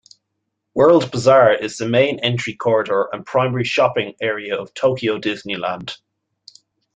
World Bazaar is the main entry corridor and primary shopping area of Tokyo Disneyland.